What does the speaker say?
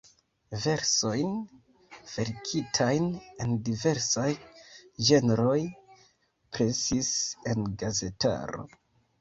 Versojn, verkitajn en diversaj ĝenroj presis en gazetaro.